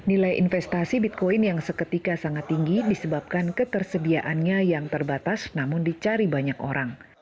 nilai investasi bitcoin yang seketika sangat tinggi disebabkan ketersediaannya yang terbatas namun dicari banyak orang